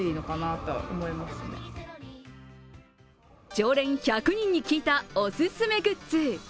常連１００人に聞いたオススメグッズ。